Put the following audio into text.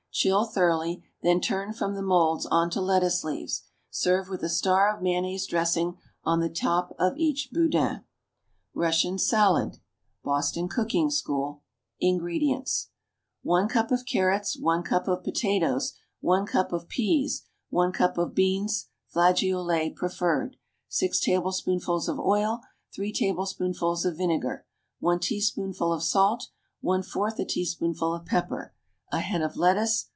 Chill thoroughly, then turn from the moulds on to lettuce leaves. Serve with a star of mayonnaise dressing on the top of each boudin. =Russian Salad.= (BOSTON COOKING SCHOOL.) INGREDIENTS. 1 cup of carrots. 1 cup of potatoes. 1 cup of peas. 1 cup of beans (flageolets preferred). 6 tablespoonfuls of oil. 3 tablespoonfuls of vinegar. 1 teaspoonful of salt. 1/4 a teaspoonful of pepper. A head of lettuce.